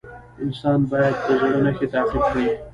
انسان باید د زړه نښې تعقیب کړي.